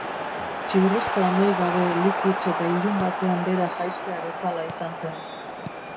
Txirrista amaigabe, likits eta ilun batean behera jaistea bezala izan zen.